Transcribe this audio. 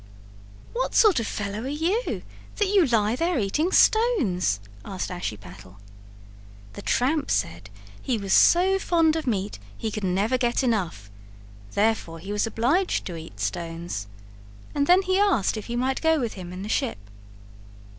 "What sort of a fellow are you, that you lie there eating stones?" asked Ashiepattle. The tramp said he was so fond of meat he could never get enough, therefore he was obliged to eat stones. And then he asked if he might go with him in the ship.